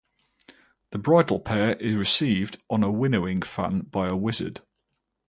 The bridal pair is received on a winnowing fan by a wizard.